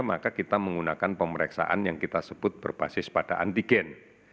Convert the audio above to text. maka kita menggunakan pemeriksaan yang kita sebut berbasis pada antigen